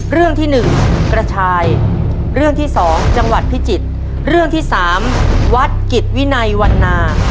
เรื่องที่หนึ่งกระชายเรื่องที่สองจังหวัดพิจิตรเรื่องที่สามวัดกิจวินัยวันนา